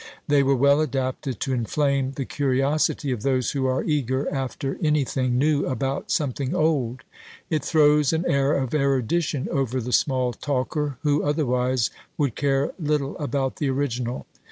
They were well adapted to inflame the curiosity of those who are eager after anything new about something old; it throws an air of erudition over the small talker, who otherwise would care little about the original!